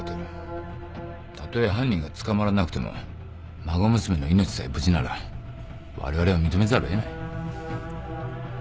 たとえ犯人が捕まらなくても孫娘の命さえ無事ならわれわれを認めざるを得ない